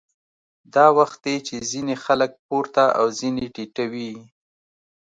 دا وخت دی چې ځینې خلک پورته او ځینې ټیټوي